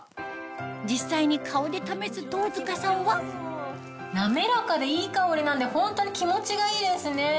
実際に顔で試す東塚さんは滑らかでいい香りなんでホントに気持ちがいいですね。